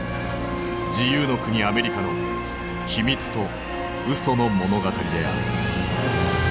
自由の国アメリカの秘密と嘘の物語である。